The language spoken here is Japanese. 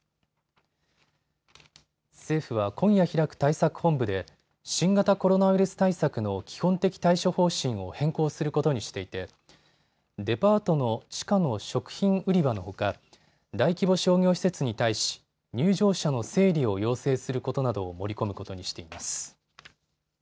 政府は今夜開く対策本部で新型コロナウイルス対策の基本的対処方針を変更することにしていてデパートの地下の食品売り場のほか大規模商業施設に対し、入場者の整理を要請することなどを盛り込むことにしています。